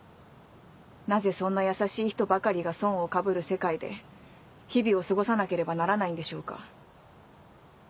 なぜそんな優しい人ばかりが損をかぶる世界で日々を過ごさなければならないんでしょうか。